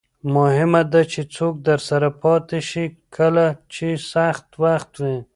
مهمه ده چې څوک درسره پاتې شي کله چې سخت وخت وي.